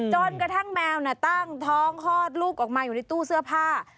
จนกระทั่งแมวตั้งท้องคลอดลูกออกมาอยู่ในตู้เสื้อผ้า